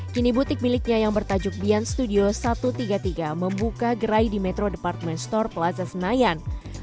kini butik miliknya yang bertajuk bian studio satu ratus tiga puluh tiga membuka gerai di metro department store plaza senayan